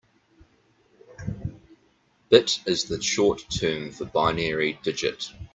Bit is the short term for binary digit.